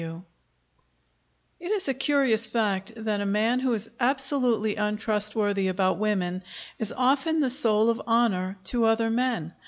W. It is a curious fact that a man who is absolutely untrustworthy about women is often the soul of honor to other men.